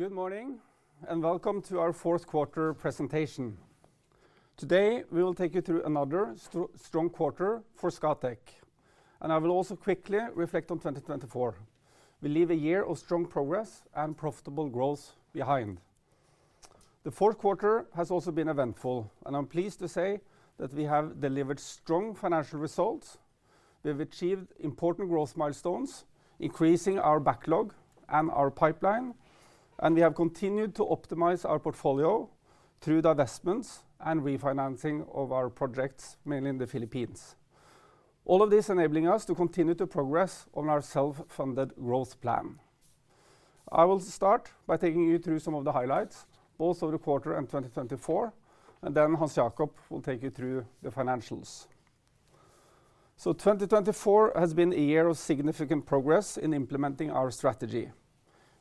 Good morning and welcome to our fourth quarter presentation. Today we will take you through another strong quarter for Scatec, and I will also quickly reflect on 2024. We leave a year of strong progress and profitable growth behind. The fourth quarter has also been eventful, and I'm pleased to say that we have delivered strong financial results. We have achieved important growth milestones, increasing our backlog and our pipeline, and we have continued to optimize our portfolio through divestments and refinancing of our projects, mainly in the Philippines. All of this enabling us to continue to progress on our self-funded growth plan. I will start by taking you through some of the highlights, both of the quarter and 2024, and then Hans Jakob will take you through the financials. So 2024 has been a year of significant progress in implementing our strategy.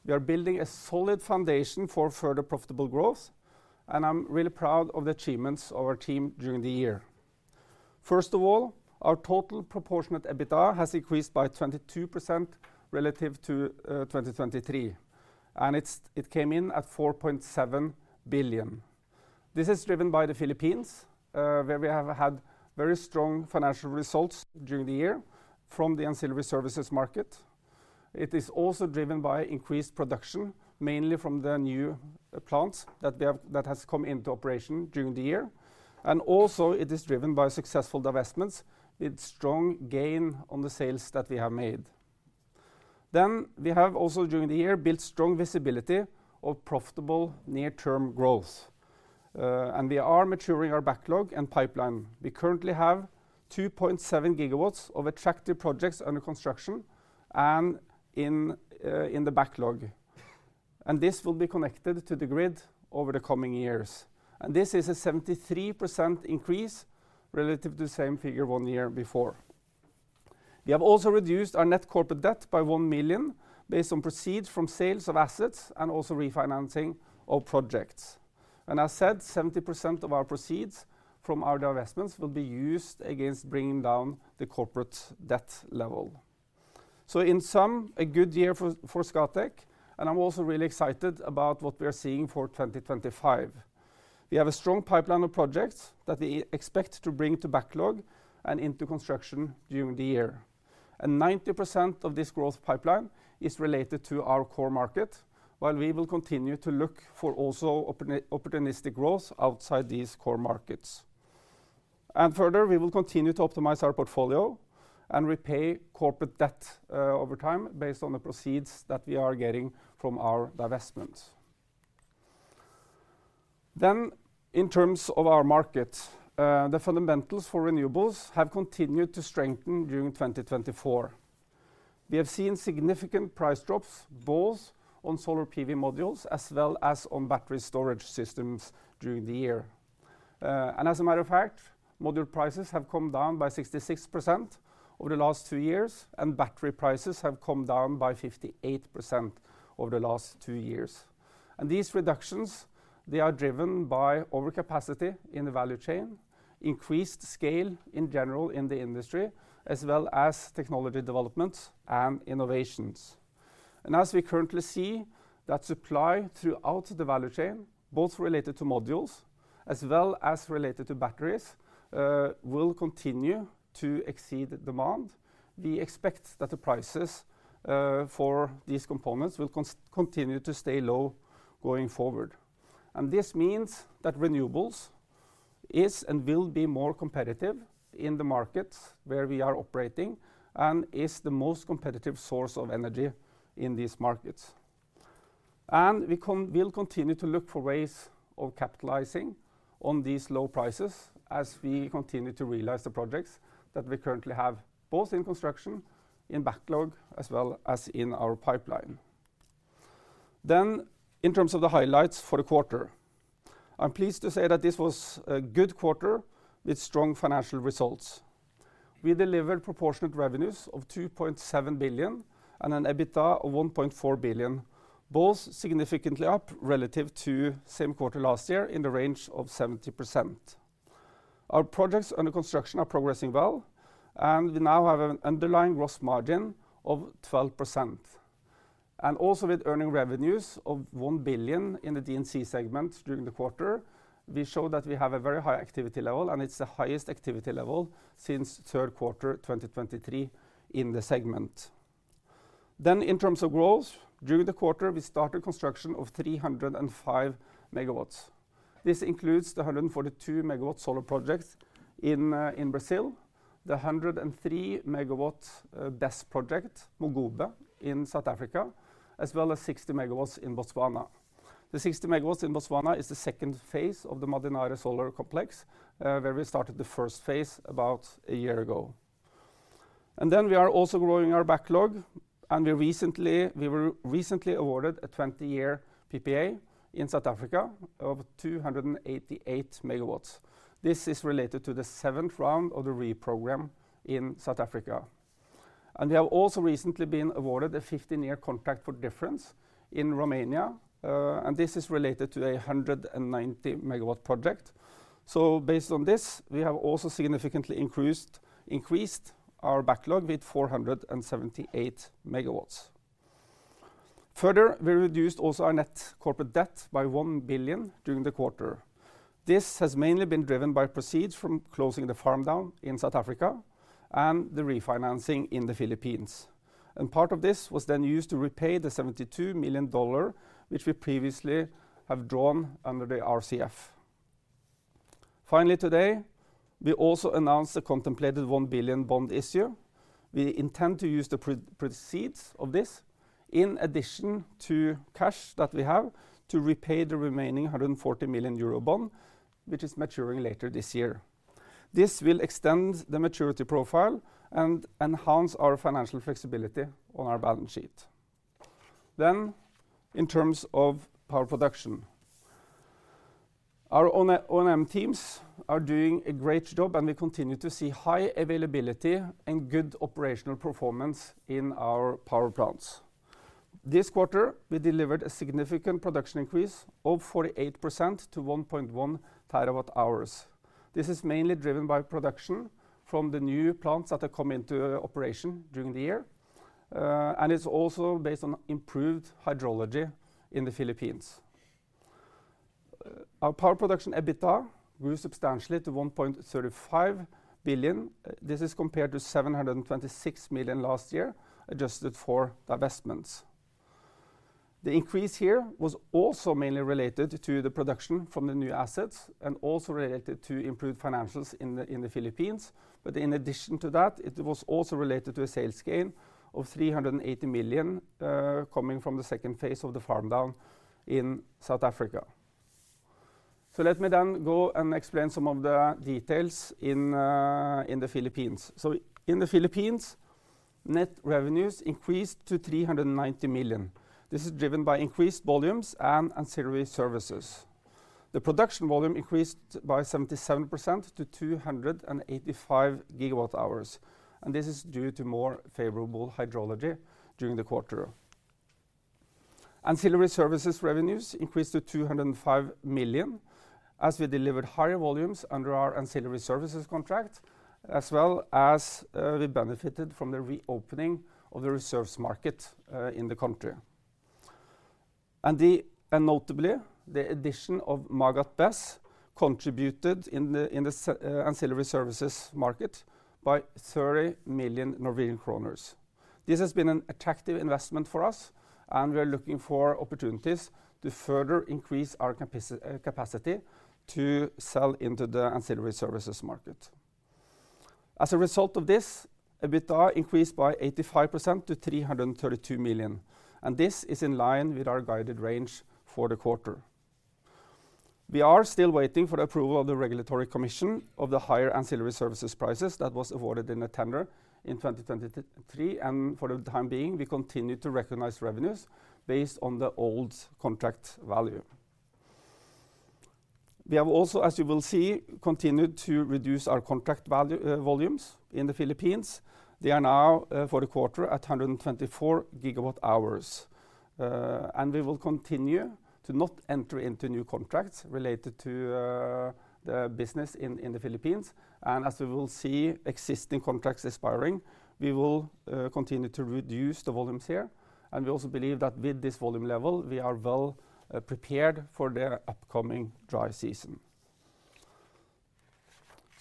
We are building a solid foundation for further profitable growth, and I'm really proud of the achievements of our team during the year. First of all, our total proportionate EBITDA has increased by 22% relative to 2023, and it came in at 4.7 billion. This is driven by the Philippines, where we have had very strong financial results during the year from the ancillary services market. It is also driven by increased production, mainly from the new plants that have come into operation during the year, and also it is driven by successful divestments with strong gain on the sales that we have made, then we have also, during the year, built strong visibility of profitable near-term growth, and we are maturing our backlog and pipeline. We currently have 2.7 GW of attractive projects under construction and in the backlog, and this will be connected to the grid over the coming years, and this is a 73% increase relative to the same figure one year before. We have also reduced our net corporate debt by 1 million based on proceeds from sales of assets and also refinancing of projects, and as said, 70% of our proceeds from our divestments will be used against bringing down the corporate debt level, so in sum, a good year for Scatec, and I'm also really excited about what we are seeing for 2025. We have a strong pipeline of projects that we expect to bring to backlog and into construction during the year, and 90% of this growth pipeline is related to our core market, while we will continue to look for also opportunistic growth outside these core markets. And further, we will continue to optimize our portfolio and repay corporate debt over time based on the proceeds that we are getting from our divestments. Then in terms of our market, the fundamentals for renewables have continued to strengthen during 2024. We have seen significant price drops both on solar PV modules as well as on battery storage systems during the year. And as a matter of fact, module prices have come down by 66% over the last two years, and battery prices have come down by 58% over the last two years. And these reductions, they are driven by overcapacity in the value chain, increased scale in general in the industry, as well as technology developments and innovations. And as we currently see that supply throughout the value chain, both related to modules as well as related to batteries, will continue to exceed demand. We expect that the prices for these components will continue to stay low going forward. And this means that renewables is and will be more competitive in the markets where we are operating and is the most competitive source of energy in these markets. And we will continue to look for ways of capitalizing on these low prices as we continue to realize the projects that we currently have both in construction, in backlog, as well as in our pipeline. Then in terms of the highlights for the quarter, I'm pleased to say that this was a good quarter with strong financial results. We delivered proportionate revenues of 2.7 billion and an EBITDA of 1.4 billion, both significantly up relative to the same quarter last year in the range of 70%. Our projects under construction are progressing well, and we now have an underlying gross margin of 12%. And also with earning revenues of 1 billion in the D&C segment during the quarter, we show that we have a very high activity level, and it's the highest activity level since third quarter 2023 in the segment. Then in terms of growth, during the quarter, we started construction of 305 MW. This includes the 142 MW solar project in Brazil, the 103 MW BESS project, Mogobe, in South Africa, as well as 60 MW in Botswana. The 60 MW in Botswana is the second phase of the Mmadinare solar complex, where we started the first phase about a year ago. And then we are also growing our backlog, and we were recently awarded a 20-year PPA in South Africa of 288 MW. This is related to the seventh round of the REIPPPP in South Africa. We have also recently been awarded a 15-year contract for difference in Romania, and this is related to a 190 MW project. So based on this, we have also significantly increased our backlog with 478 MW. Further, we reduced also our net corporate debt by 1 billion during the quarter. This has mainly been driven by proceeds from closing the farm down in South Africa and the refinancing in the Philippines. And part of this was then used to repay the $72 million which we previously have drawn under the RCF. Finally, today, we also announced the contemplated 1 billion bond issue. We intend to use the proceeds of this in addition to cash that we have to repay the remaining 140 million euro bond, which is maturing later this year. This will extend the maturity profile and enhance our financial flexibility on our balance sheet. Then in terms of power production, our O&M teams are doing a great job, and we continue to see high availability and good operational performance in our power plants. This quarter, we delivered a significant production increase of 48% to 1.1 TWh. This is mainly driven by production from the new plants that have come into operation during the year, and it's also based on improved hydrology in the Philippines. Our power production EBITDA grew substantially to 1.35 billion. This is compared to 726 million last year, adjusted for divestments. The increase here was also mainly related to the production from the new assets and also related to improved financials in the Philippines. But in addition to that, it was also related to a sales gain of 380 million coming from the second phase of the farm down in South Africa. Let me then go and explain some of the details in the Philippines. In the Philippines, net revenues increased to 390 million. This is driven by increased volumes and ancillary services. The production volume increased by 77% to 285 GWh, and this is due to more favorable hydrology during the quarter. Ancillary services revenues increased to 205 million as we delivered higher volumes under our ancillary services contract, as well as we benefited from the reopening of the reserves market in the country. Notably, the addition of Magat BESS contributed in the ancillary services market by 30 million Norwegian kroner. This has been an attractive investment for us, and we are looking for opportunities to further increase our capacity to sell into the ancillary services market. As a result of this, EBITDA increased by 85% to 332 million, and this is in line with our guided range for the quarter. We are still waiting for the approval of the regulatory commission of the higher ancillary services prices that was awarded in the tender in 2023, and for the time being, we continue to recognize revenues based on the old contract value. We have also, as you will see, continued to reduce our contract volumes in the Philippines. They are now for the quarter at 124 GWh, and we will continue to not enter into new contracts related to the business in the Philippines, and as we will see existing contracts expiring, we will continue to reduce the volumes here, and we also believe that with this volume level, we are well prepared for the upcoming dry season.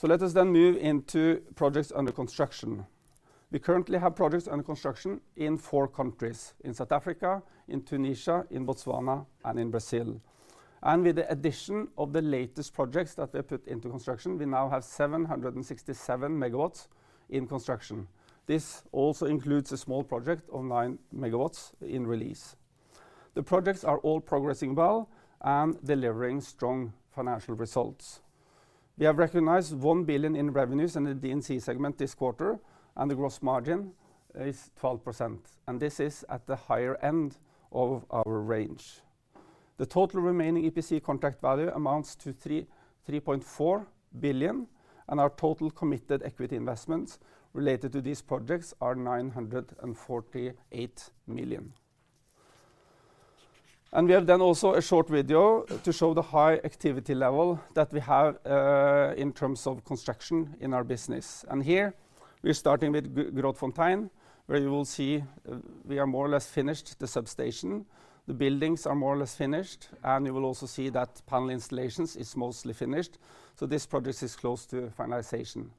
Let us then move into projects under construction. We currently have projects under construction in four countries: in South Africa, in Tunisia, in Botswana, and in Brazil. With the addition of the latest projects that were put into construction, we now have 767 MW in construction. This also includes a small project of 9 MW in Release. The projects are all progressing well and delivering strong financial results. We have recognized 1 billion in revenues in the D&C segment this quarter, and the gross margin is 12%, and this is at the higher end of our range. The total remaining EPC contract value amounts to 3.4 billion, and our total committed equity investments related to these projects are 948 million. We have then also a short video to show the high activity level that we have in terms of construction in our business. Here we are starting with Grootfontein, where you will see we are more or less finished the substation. The buildings are more or less finished, and you will also see that panel installation is mostly finished. So this project is close to finalization.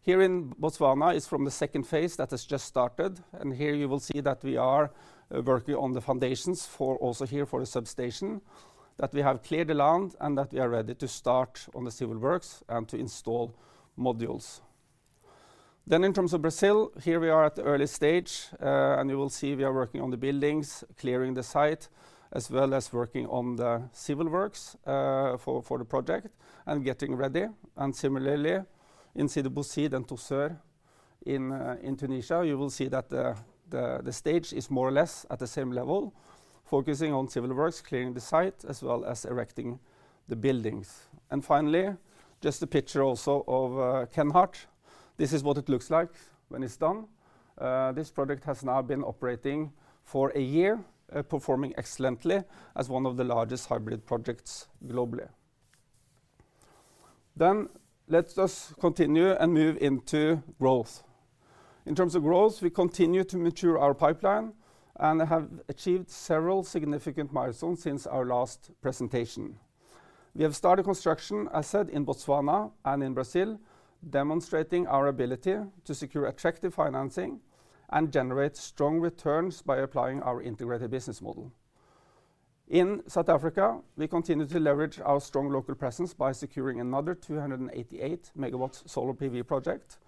Here in Botswana is from the second phase that has just started, and here you will see that we are working on the foundations for also here for the substation that we have cleared the land and that we are ready to start on the civil works and to install modules. Then in terms of Brazil, here we are at the early stage, and you will see we are working on the buildings, clearing the site, as well as working on the civil works for the project and getting ready. Similarly, in Sidi Bouzid and Tozeur in Tunisia, you will see that the stage is more or less at the same level, focusing on civil works, clearing the site, as well as erecting the buildings. Finally, just a picture also of Kenhardt. This is what it looks like when it's done. This project has now been operating for a year, performing excellently as one of the largest hybrid projects globally. Let us continue and move into growth. In terms of growth, we continue to mature our pipeline and have achieved several significant milestones since our last presentation. We have started construction, as said, in Botswana and in Brazil, demonstrating our ability to secure attractive financing and generate strong returns by applying our integrated business model. In South Africa, we continue to leverage our strong local presence by securing another 288 MW solar PV project,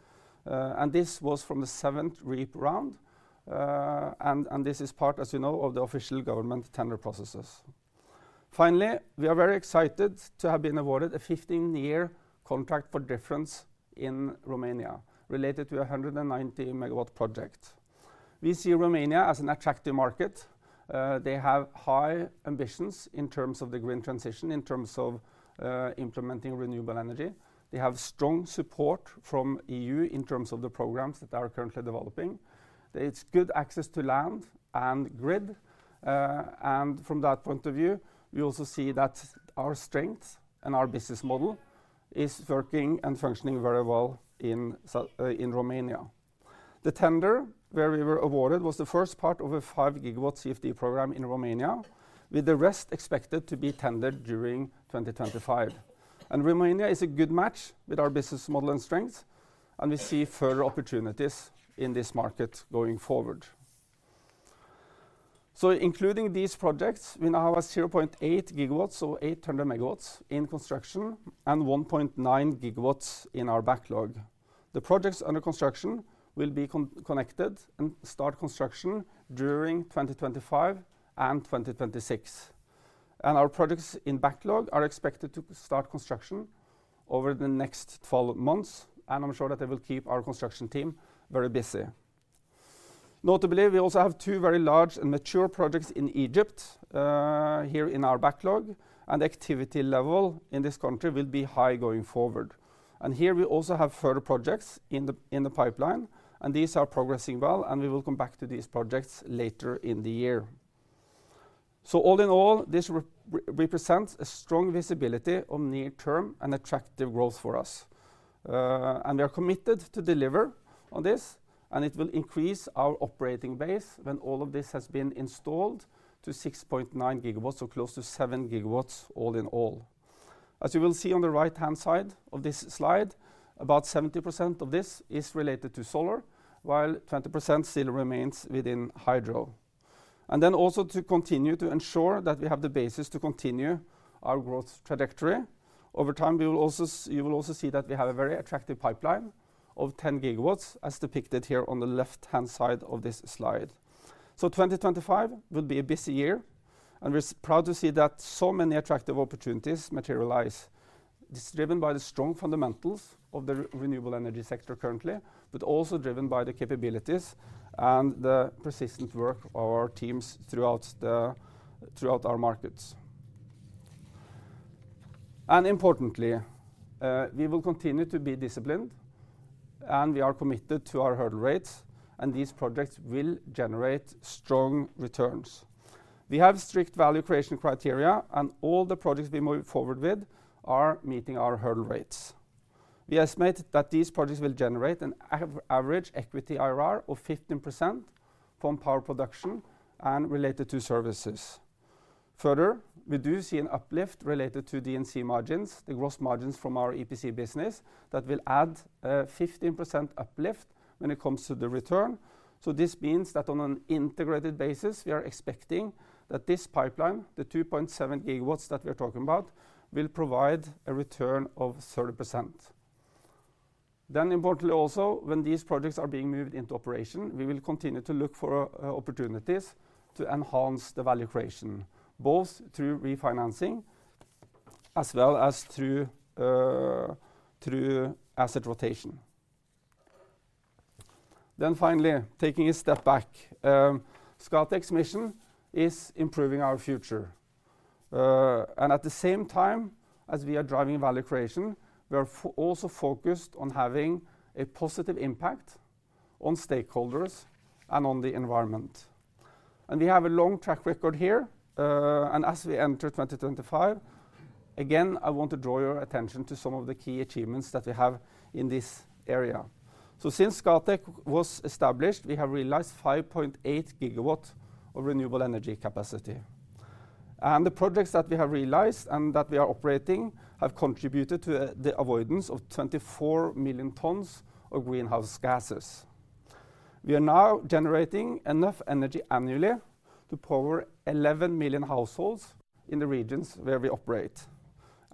and this was from the seventh REIPPPP round, and this is part, as you know, of the official government tender processes. Finally, we are very excited to have been awarded a 15-year contract for difference in Romania related to a 190 MW project. We see Romania as an attractive market. They have high ambitions in terms of the green transition, in terms of implementing renewable energy. They have strong support from the EU in terms of the programs that they are currently developing. There is good access to land and grid, and from that point of view, we also see that our strength and our business model is working and functioning very well in Romania. The tender where we were awarded was the first part of a 5 GW CfD program in Romania, with the rest expected to be tendered during 2025. And Romania is a good match with our business model and strength, and we see further opportunities in this market going forward. So including these projects, we now have 0.8 GW or 800 MW in construction and 1.9 GW in our backlog. The projects under construction will be connected and start construction during 2025 and 2026. And our projects in backlog are expected to start construction over the next 12 months, and I'm sure that they will keep our construction team very busy. Notably, we also have two very large and mature projects in Egypt here in our backlog, and the activity level in this country will be high going forward. Here we also have further projects in the pipeline, and these are progressing well, and we will come back to these projects later in the year. All in all, this represents a strong visibility of near-term and attractive growth for us. We are committed to deliver on this, and it will increase our operating base when all of this has been installed to 6.9 GW or close to 7 GW all in all. As you will see on the right-hand side of this slide, about 70% of this is related to solar, while 20% still remains within hydro. Then also to continue to ensure that we have the basis to continue our growth trajectory. Over time, you will also see that we have a very attractive pipeline of 10 GW, as depicted here on the left-hand side of this slide. 2025 will be a busy year, and we're proud to see that so many attractive opportunities materialize. It's driven by the strong fundamentals of the renewable energy sector currently, but also driven by the capabilities and the persistent work of our teams throughout our markets. Importantly, we will continue to be disciplined, and we are committed to our hurdle rates, and these projects will generate strong returns. We have strict value creation criteria, and all the projects we move forward with are meeting our hurdle rates. We estimate that these projects will generate an average equity IRR of 15% from power production and related to services. Further, we do see an uplift related to D&C margins, the gross margins from our EPC business, that will add 15% uplift when it comes to the return. This means that on an integrated basis, we are expecting that this pipeline, the 2.7 GW that we are talking about, will provide a return of 30%. Then importantly also, when these projects are being moved into operation, we will continue to look for opportunities to enhance the value creation, both through refinancing as well as through asset rotation. Then finally, taking a step back, Scatec's mission is improving our future. And at the same time as we are driving value creation, we are also focused on having a positive impact on stakeholders and on the environment. And we have a long track record here, and as we enter 2025, again, I want to draw your attention to some of the key achievements that we have in this area. So since Scatec was established, we have realized 5.8 GW of renewable energy capacity. The projects that we have realized and that we are operating have contributed to the avoidance of 24 million tons of greenhouse gases. We are now generating enough energy annually to power 11 million households in the regions where we operate.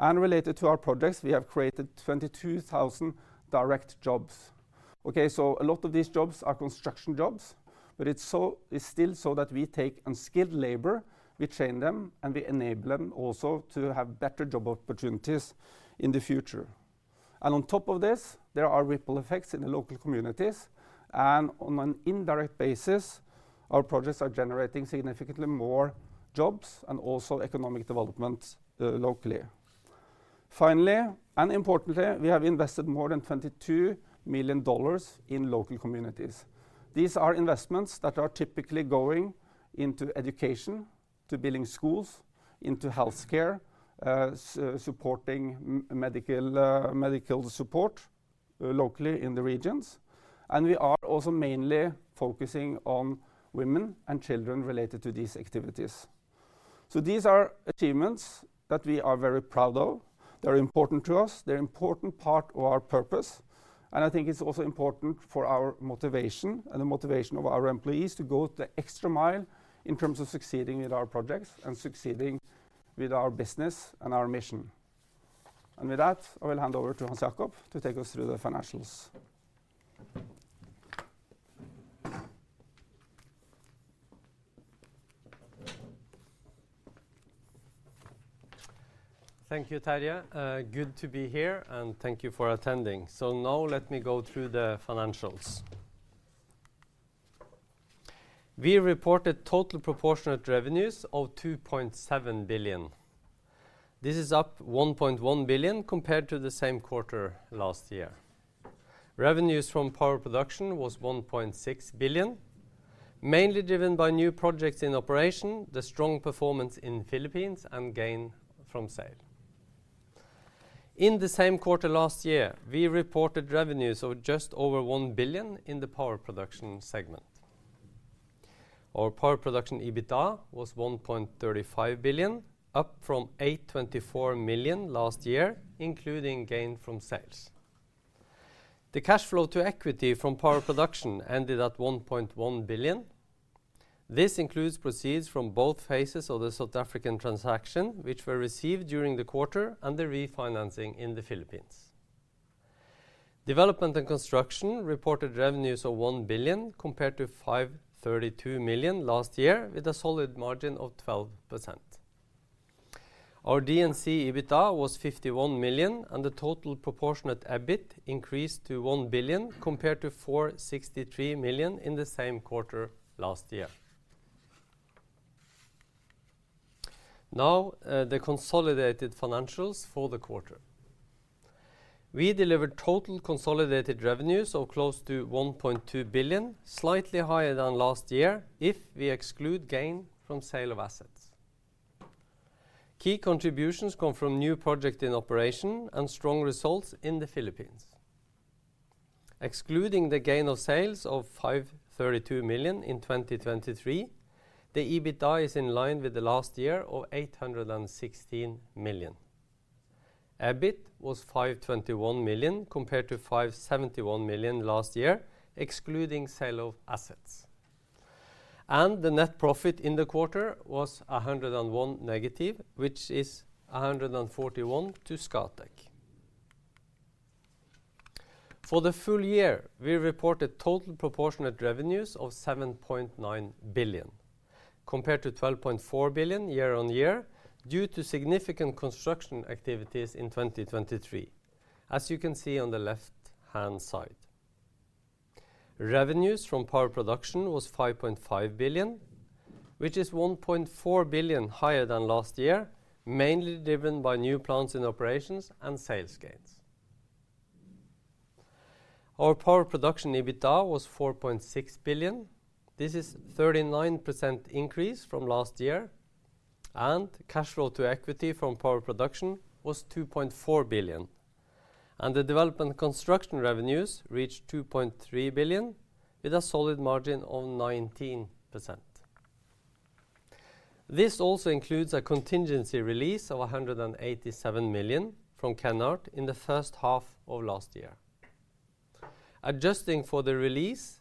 Related to our projects, we have created 22,000 direct jobs. Okay, so a lot of these jobs are construction jobs, but it's still so that we take unskilled labor, we train them, and we enable them also to have better job opportunities in the future. On top of this, there are ripple effects in the local communities, and on an indirect basis, our projects are generating significantly more jobs and also economic development locally. Finally, and importantly, we have invested more than $22 million in local communities. These are investments that are typically going into education, to building schools, into healthcare, supporting medical support locally in the regions. And we are also mainly focusing on women and children related to these activities. So these are achievements that we are very proud of. They're important to us. They're an important part of our purpose, and I think it's also important for our motivation and the motivation of our employees to go the extra mile in terms of succeeding with our projects and succeeding with our business and our mission. And with that, I will hand over to Hans Jakob to take us through the financials. Thank you, Terje. Good to be here, and thank you for attending. So now let me go through the financials. We reported total proportionate revenues of 2.7 billion. This is up 1.1 billion compared to the same quarter last year. Revenues from power production was 1.6 billion, mainly driven by new projects in operation, the strong performance in the Philippines, and gain from sale. In the same quarter last year, we reported revenues of just over 1 billion in the power production segment. Our power production EBITDA was 1.35 billion, up from 824 million last year, including gain from sales. The cash flow to equity from power production ended at 1.1 billion. This includes proceeds from both phases of the South African transaction, which were received during the quarter, and the refinancing in the Philippines. Development and construction reported revenues of 1 billion compared to 532 million last year, with a solid margin of 12%. Our D&C EBITDA was 51 million, and the total proportionate EBIT increased to 1 billion compared to 463 million in the same quarter last year. Now the consolidated financials for the quarter. We delivered total consolidated revenues of close to 1.2 billion, slightly higher than last year if we exclude gain from sale of assets. Key contributions come from new projects in operation and strong results in the Philippines. Excluding the gain of sales of 532 million in 2023, the EBITDA is in line with the last year of 816 million. EBIT was 521 million compared to 571 million last year, excluding sale of assets, and the net profit in the quarter was -101 million, which is 141 million to Scatec. For the full year, we reported total proportionate revenues of 7.9 billion compared to 12.4 billion year on year due to significant construction activities in 2023, as you can see on the left-hand side. Revenues from power production was 5.5 billion, which is 1.4 billion higher than last year, mainly driven by new plants in operations and sales gains. Our power production EBITDA was 4.6 billion. This is a 39% increase from last year, and cash flow to equity from power production was 2.4 billion, and the development construction revenues reached 2.3 billion with a solid margin of 19%. This also includes a contingency release of 187 million from Kenhardt in the first half of last year. Adjusting for the release,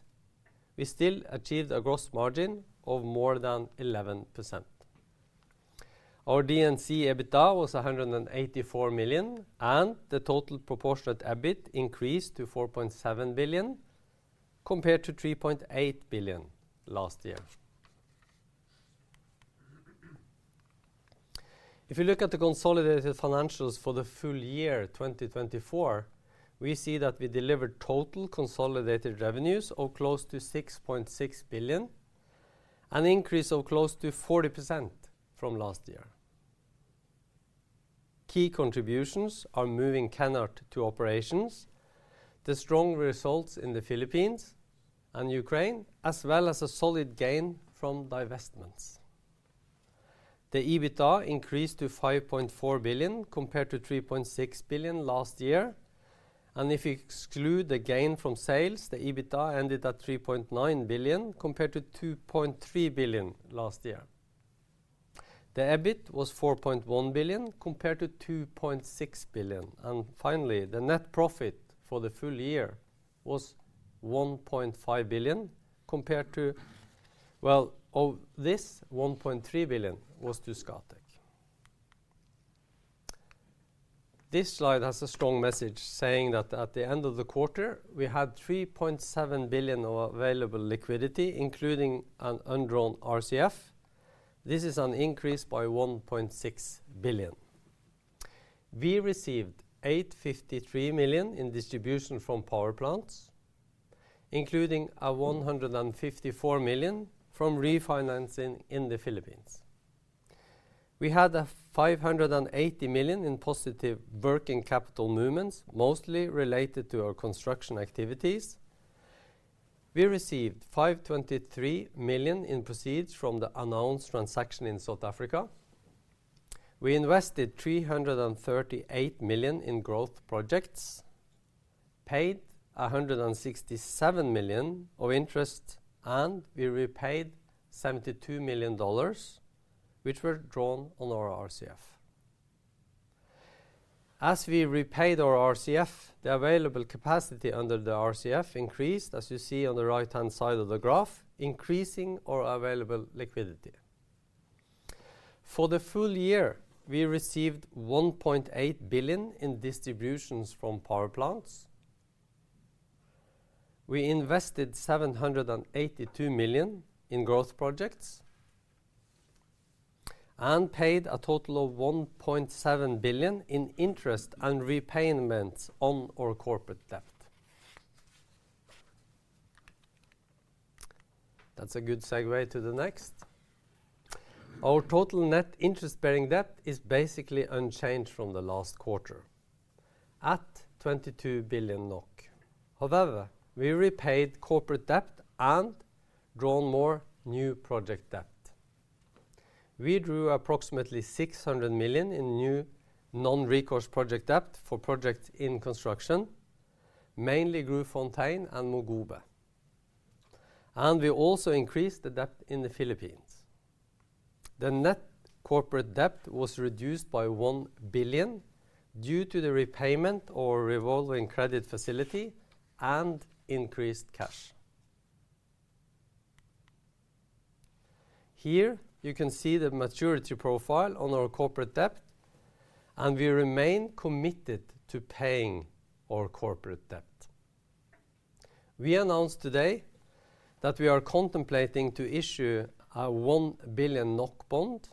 we still achieved a gross margin of more than 11%. Our D&C EBITDA was 184 million, and the total proportionate EBIT increased to 4.7 billion compared to 3.8 billion last year. If you look at the consolidated financials for the full year 2024, we see that we delivered total consolidated revenues of close to 6.6 billion, an increase of close to 40% from last year. Key contributions are moving Kenhardt to operations, the strong results in the Philippines and Ukraine, as well as a solid gain from divestments. The EBITDA increased to 5.4 billion compared to 3.6 billion last year. And if you exclude the gain from sales, the EBITDA ended at 3.9 billion compared to 2.3 billion last year. The EBIT was 4.1 billion compared to 2.6 billion. And finally, the net profit for the full year was 1.5 billion compared to, well, of this, 1.3 billion was to Scatec. This slide has a strong message saying that at the end of the quarter, we had 3.7 billion of available liquidity, including an un-drawn RCF. This is an increase by 1.6 billion. We received 853 million in distribution from power plants, including 154 million from refinancing in the Philippines. We had 580 million in positive working capital movements, mostly related to our construction activities. We received 523 million in proceeds from the announced transaction in South Africa. We invested 338 million in growth projects, paid 167 million of interest, and we repaid $72 million, which were drawn on our RCF. As we repaid our RCF, the available capacity under the RCF increased, as you see on the right-hand side of the graph, increasing our available liquidity. For the full year, we received 1.8 billion in distributions from power plants. We invested 782 million in growth projects and paid a total of 1.7 billion in interest and repayments on our corporate debt. That's a good segue to the next. Our total net interest-bearing debt is basically unchanged from the last quarter, at 22 billion NOK. However, we repaid corporate debt and drawn more new project debt. We drew approximately 600 million in new non-recourse project debt for projects in construction, mainly Grootfontein and Mogobe, and we also increased the debt in the Philippines. The net corporate debt was reduced by 1 billion due to the repayment of our revolving credit facility and increased cash. Here you can see the maturity profile on our corporate debt, and we remain committed to paying our corporate debt. We announced today that we are contemplating to issue a 1 billion NOK bond,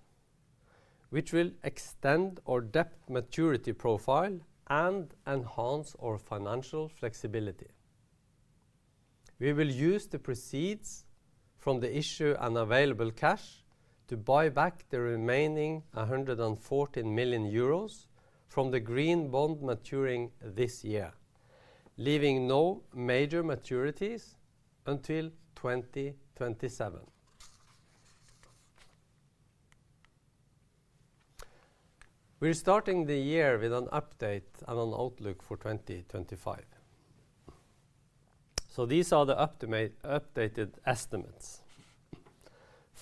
which will extend our debt maturity profile and enhance our financial flexibility. We will use the proceeds from the issue and available cash to buy back the remaining 114 million euros from the green bond maturing this year, leaving no major maturities until 2027. We're starting the year with an update and an outlook for 2025. So these are the updated estimates.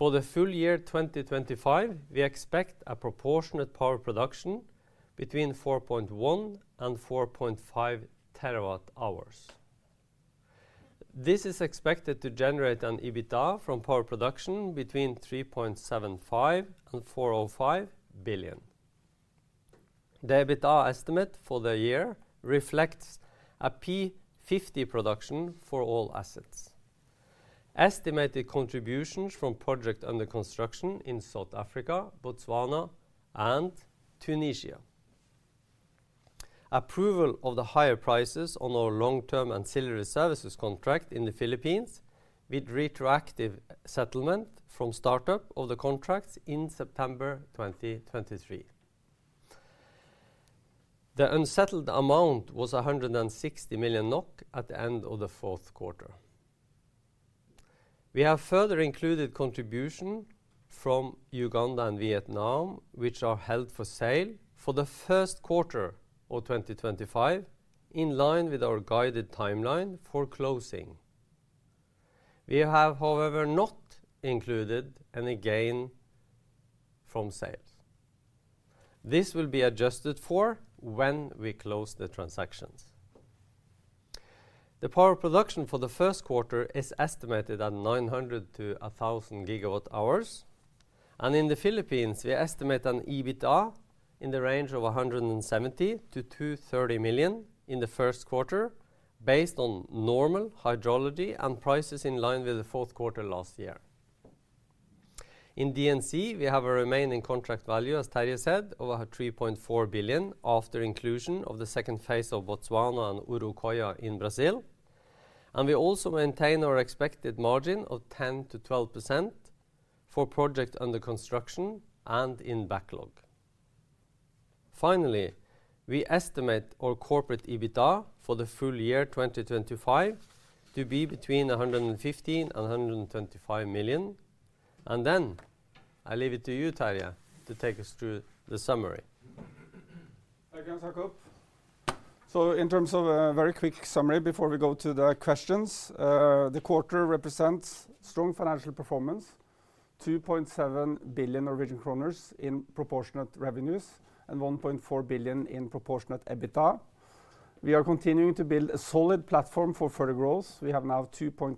For the full year 2025, we expect a proportionate power production between 4.1 and 4.5 TWh. This is expected to generate an EBITDA from power production between 3.75 billion and 4.05 billion. The EBITDA estimate for the year reflects a P50 production for all assets. Estimated contributions from projects under construction in South Africa, Botswana, and Tunisia. Approval of the higher prices on our long-term ancillary services contract in the Philippines with retroactive settlement from startup of the contracts in September 2023. The unsettled amount was 160 million NOK at the end of the fourth quarter. We have further included contribution from Uganda and Vietnam, which are held for sale for the first quarter of 2025, in line with our guided timeline for closing. We have, however, not included any gain from sales. This will be adjusted for when we close the transactions. The power production for the first quarter is estimated at 900-1,000 GWh. In the Philippines, we estimate an EBITDA in the range of 170million-230 million in the first quarter, based on normal hydrology and prices in line with the fourth quarter last year. In D&C, we have a remaining contract value, as Terje said, of 3.4 billion after inclusion of the second phase of Botswana and Urucuia in Brazil. We also maintain our expected margin of 10-12% for projects under construction and in backlog. Finally, we estimate our corporate EBITDA for the full year 2025 to be between 115 million and 125 million. And then I leave it to you, Terje, to take us through the summary. Thank you, Hans Jakob. So in terms of a very quick summary before we go to the questions, the quarter represents strong financial performance, 2.7 billion Norwegian kroner in proportionate revenues and 1.4 billion in proportionate EBITDA. We are continuing to build a solid platform for further growth. We have now 2.9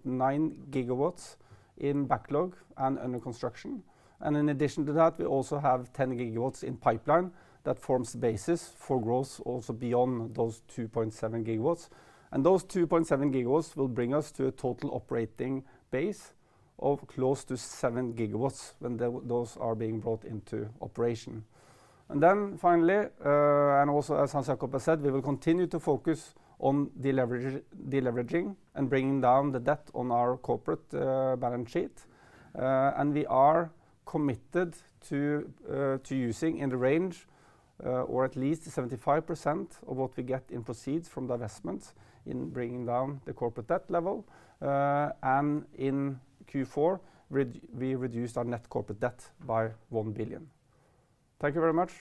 GW in backlog and under construction. And in addition to that, we also have 10 GW in pipeline that forms the basis for growth also beyond those 2.7 GW. And those 2.7 GW will bring us to a total operating base of close to 7 GW when those are being brought into operation. And then finally, and also as Hans Jakob has said, we will continue to focus on deleveraging and bringing down the debt on our corporate balance sheet. And we are committed to using in the range, or at least 75% of what we get in proceeds from divestments in bringing down the corporate debt level. And in Q4, we reduced our net corporate debt by 1 billion. Thank you very much.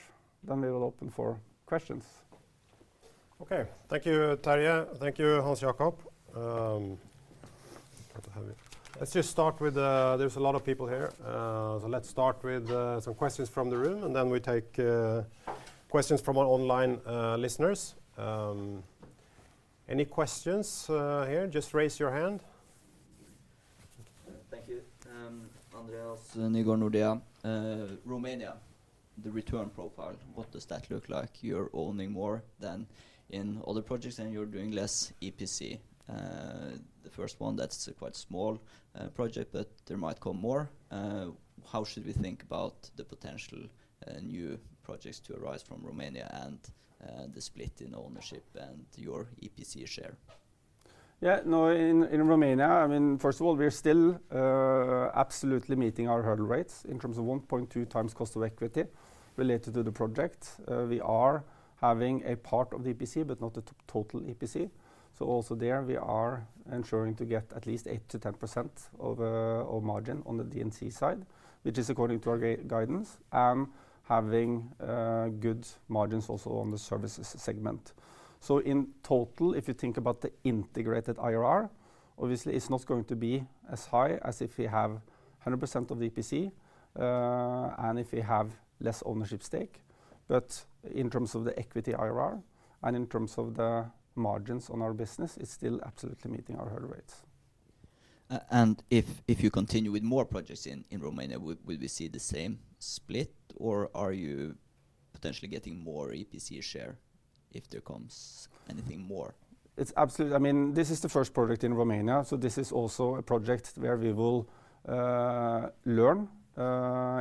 Then we will open for questions. Okay, thank you, Terje. Thank you, Hans Jakob. Let's just start with, there's a lot of people here. So let's start with some questions from the room, and then we take questions from our online listeners. Any questions here? Just raise your hand. Thank you. Andreas Nygård, Nordea, Romania, the return profile, what does that look like? You're owning more than in other projects, and you're doing less EPC. The first one, that's a quite small project, but there might come more. How should we think about the potential new projects to arise from Romania and the split in ownership and your EPC share? Yeah, now in Romania, I mean, first of all, we're still absolutely meeting our hurdle rates in terms of 1.2 times cost of equity related to the project. We are having a part of the EPC, but not the total EPC. So also there, we are ensuring to get at least 8%-10% of margin on the D&C side, which is according to our guidance, and having good margins also on the services segment. So in total, if you think about the integrated IRR, obviously it's not going to be as high as if we have 100% of the EPC and if we have less ownership stake. But in terms of the equity IRR and in terms of the margins on our business, it's still absolutely meeting our hurdle rates. And if you continue with more projects in Romania, will we see the same split, or are you potentially getting more EPC share if there comes anything more? It's absolutely, I mean, this is the first project in Romania, so this is also a project where we will learn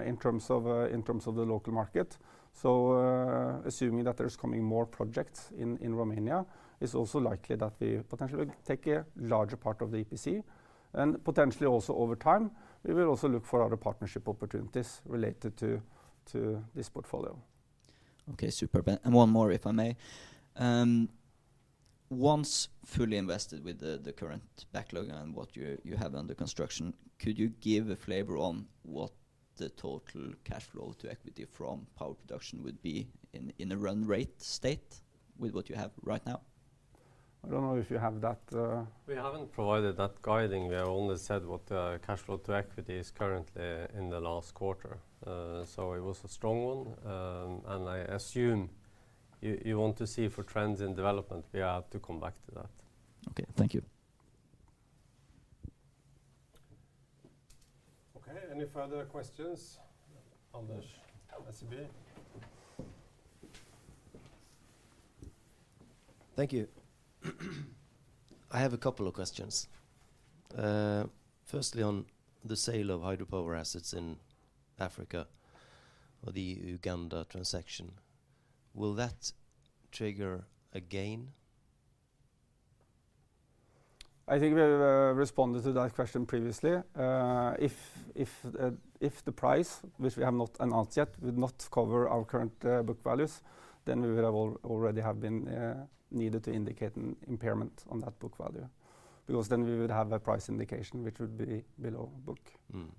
in terms of the local market. So assuming that there's coming more projects in Romania, it's also likely that we potentially will take a larger part of the EPC. And potentially also over time, we will also look for other partnership opportunities related to this portfolio. Okay, super. And one more, if I may. Once fully invested with the current backlog and what you have under construction, could you give a flavor on what the total cash flow to equity from power production would be in a run rate state with what you have right now? I don't know if you have that. We haven't provided that guiding. We have only said what the cash flow to equity is currently in the last quarter. So it was a strong one. And I assume you want to see for trends in development. We have to come back to that. Okay, thank you. Okay, any further questions? Anders Rosenlund, SEB. Thank you. I have a couple of questions. Firstly, on the sale of hydropower assets in Africa or the Uganda transaction, will that trigger a gain? I think we've responded to that question previously. If the price, which we have not announced yet, would not cover our current book values, then we would have already been needed to indicate an impairment on that book value. Because then we would have a price indication, which would be below book.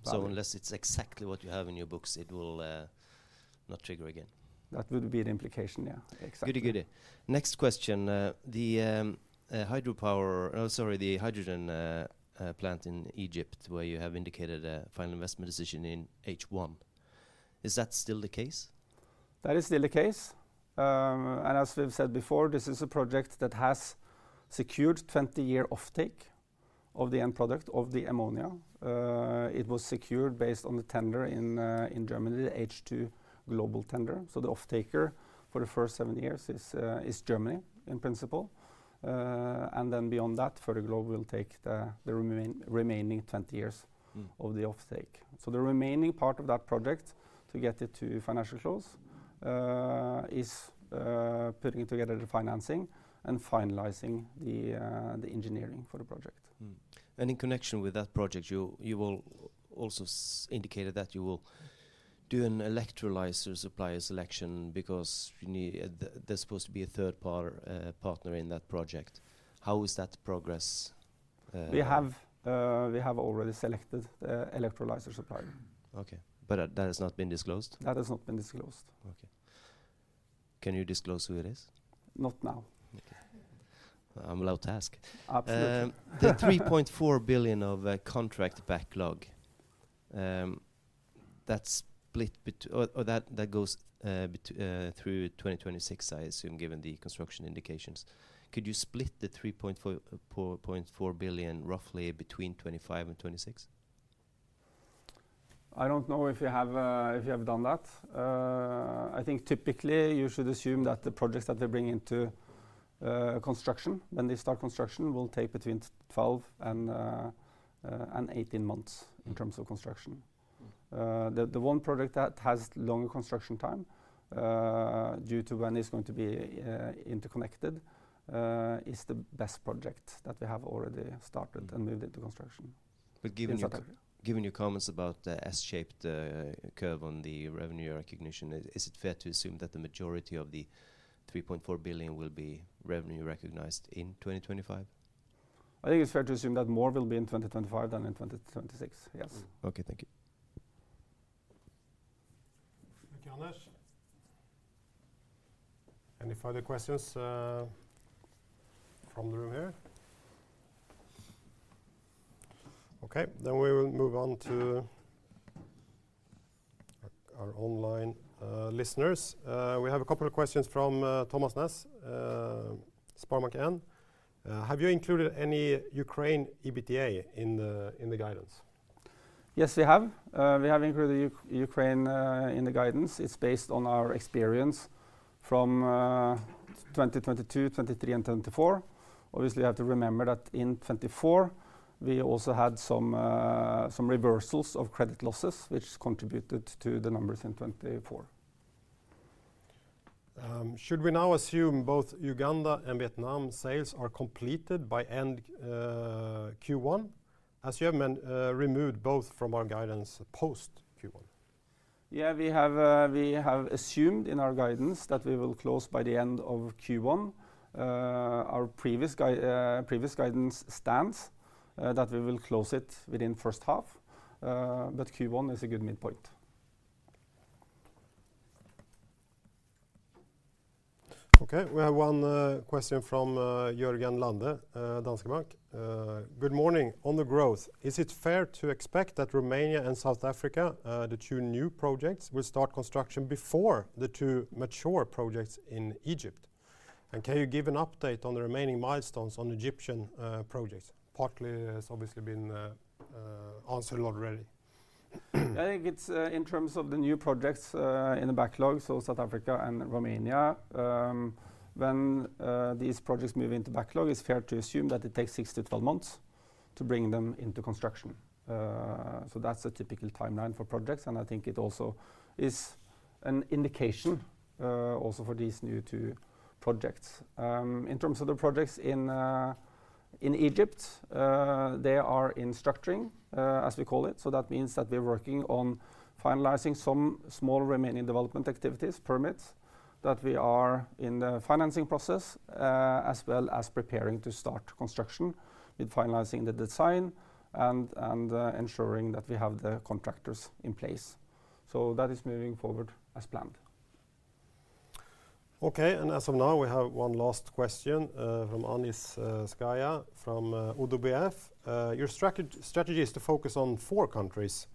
So unless it's exactly what you have in your books, it will not trigger a gain. That would be the implication, yeah. Exactly. Good, good. Next question. The hydropower, sorry, the hydrogen plant in Egypt, where you have indicated a final investment decision in H1. Is that still the case? That is still the case. As we've said before, this is a project that has secured 20-year offtake of the end product of the ammonia. It was secured based on the tender in Germany, the H2Global tender. The offtaker for the first seven years is Germany in principle. Then beyond that, Fertiglobe will take the remaining 20 years of the offtake. The remaining part of that project to get it to financial close is putting together the financing and finalizing the engineering for the project. In connection with that project, you will also indicate that you will do an electrolyzer supplier selection because there's supposed to be a third-party partner in that project. How is that progress? We have already selected the electrolyzer supplier. Okay, but that has not been disclosed? That has not been disclosed. Okay. Can you disclose who it is? Not now. Okay. I'm allowed to ask. Absolutely. The 3.4 billion of contract backlog, that split that goes through 2026, I assume, given the construction indications. Could you split the 3.4 billion roughly between 2025 and 2026? I don't know if you have done that. I think typically you should assume that the projects that they bring into construction, when they start construction, will take between 12 and 18 months in terms of construction. The one project that has longer construction time due to when it's going to be interconnected is the BESS project that we have already started and moved into construction. But given your comments about the S-shaped curve on the revenue recognition, is it fair to assume that the majority of the 3.4 billion will be revenue recognized in 2025? I think it's fair to assume that more will be in 2025 than in 2026, yes. Okay, thank you. Thank you, Anders. Any further questions from the room here? Okay, then we will move on to our online listeners. We have a couple of questions from Thomas Næss, SpareBank 1 Markets. Have you included any Ukraine EBITDA in the guidance? Yes, we have. We have included Ukraine in the guidance. It's based on our experience from 2022, 2023, and 2024. Obviously, we have to remember that in 2024, we also had some reversals of credit losses, which contributed to the numbers in 2024. Should we now assume both Uganda and Vietnam sales are completed by end Q1, as you have removed both from our guidance post Q1? Yeah, we have assumed in our guidance that we will close by the end of Q1. Our previous guidance stands that we will close it within the first half. But Q1 is a good midpoint. Okay, we have one question from Jørgen Lande, Danske Bank. Good morning. On the growth, is it fair to expect that Romania and South Africa, the two new projects, will start construction before the two mature projects in Egypt? And can you give an update on the remaining milestones on Egyptian projects? Partly has obviously been answered already. I think it's in terms of the new projects in the backlog, so South Africa and Romania. When these projects move into backlog, it's fair to assume that it takes six to 12 months to bring them into construction. So that's a typical timeline for projects. And I think it also is an indication also for these new two projects. In terms of the projects in Egypt, they are in structuring, as we call it. So that means that we're working on finalizing some small remaining development activities, permits, that we are in the financing process, as well as preparing to start construction with finalizing the design and ensuring that we have the contractors in place. So that is moving forward as planned. Okay, and as of now, we have one last question from Anis Zgaya from ODDO BHF. Your strategy is to focus on four countries.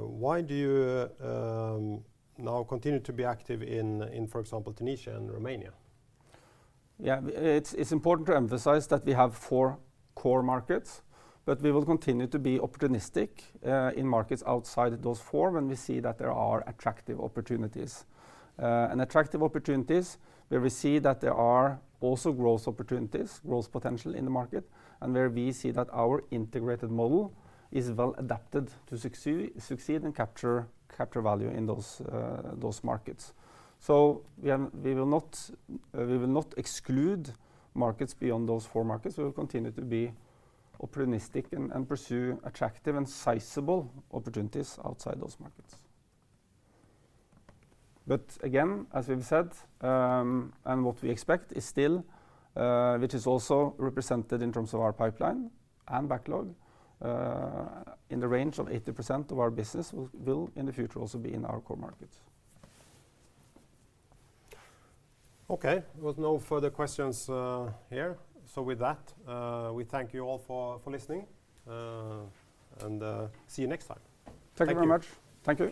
Why do you now continue to be active in, for example, Tunisia and Romania? Yeah, it's important to emphasize that we have four core markets, but we will continue to be opportunistic in markets outside those four when we see that there are attractive opportunities. And attractive opportunities where we see that there are also growth opportunities, growth potential in the market, and where we see that our integrated model is well adapted to succeed and capture value in those markets. So we will not exclude markets beyond those four markets. We will continue to be opportunistic and pursue attractive and sizable opportunities outside those markets. But again, as we've said, and what we expect is still, which is also represented in terms of our pipeline and backlog, in the range of 80% of our business will in the future also be in our core markets. Okay, there was no further questions here. So with that, we thank you all for listening and see you next time. Thank you very much. Thank you.